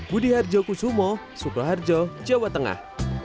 budi harjo kusumo sukoharjo jawa tengah